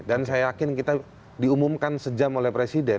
dan saya yakin kita diumumkan sejam oleh presiden